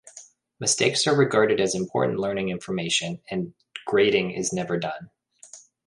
Mistakes are regarded as important learning information and grading is never done.